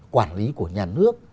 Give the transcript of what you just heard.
quản lý của nhà nước